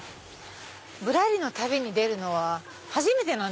『ぶらり』の旅に出るのは初めて。